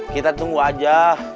kita tunggu aja